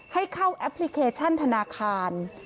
ให้เข้าแอปพลิเคชันธนาคาร